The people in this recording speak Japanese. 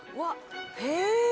へえ！